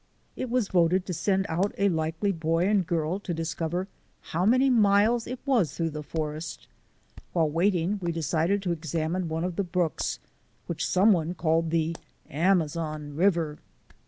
It was voted to send out a likely boy and girl to discover how many hundred miles it was through the forest. While waiting we de cided to examine one of the brooks, which someone called the Amazon River.